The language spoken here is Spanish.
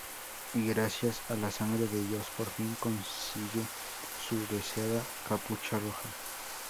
Y gracias a la sangre de ellos por fin consigue su deseada capucha roja.